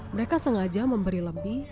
mereka sengaja memberi lebih